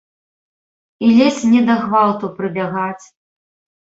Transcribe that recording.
І ледзь не да гвалту прыбягаць?